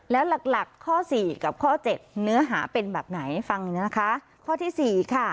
แล้วหลักหลักข้อสี่กับข้อเจ็ดเนื้อหาเป็นแบบไหนฟังนะคะข้อที่สี่ค่ะ